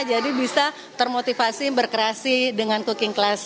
jadi bisa termotivasi berkreasi dengan cooking class